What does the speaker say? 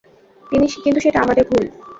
কিন্তু সেটা তোমাদের ভুল।